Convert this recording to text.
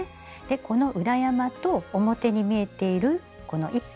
この裏山と表に見えているこの１本。